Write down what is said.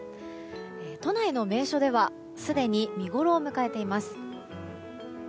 都内の名所ではすでに見ごろを迎えています。